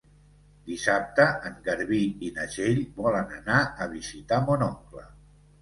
Dissabte en Garbí i na Txell volen anar a visitar mon oncle.